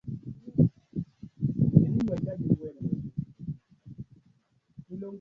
ee ya watu milioni ishirini nchini tanzania